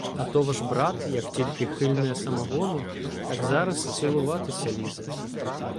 А то ваш брат, як тільки хильне самогону, так зараз цілуватися лізе.